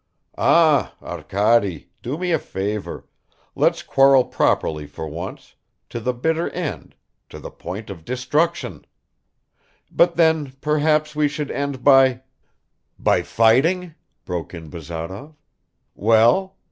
"Ah, Arkady, do me a favor, let's quarrel properly for once, to the bitter end, to the point of destruction." "But then perhaps we should end by ..." "By fighting?" broke in Bazarov. "Well?